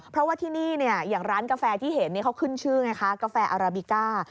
เพราะว่าที่นี่อย่างร้านกาแฟที่เห็นเขาขึ้นชื่อไงคะกาแฟอาราบิก้า